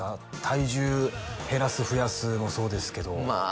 体重減らす増やすもそうですけどまあ